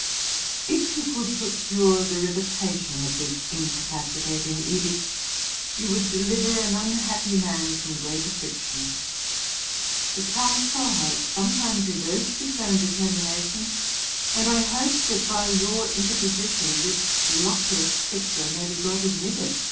If you could procure the revocation of this incapacitating edict, you would deliver an unhappy man from great affliction. The Council has sometimes reversed its own determination; and I hope, that by your interposition this luckless picture may be got admitted.